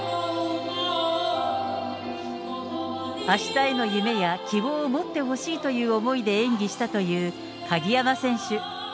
あしたへの夢や希望を持ってほしいという思いで演技したという鍵山選手。